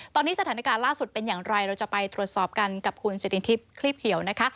ตอนนี้สถานการณ์ล่าสุดเป็นอย่างไรเราจะไปตรวจสอบกันกับคุณสิรินทิพย์คลี่เขียวนะคะ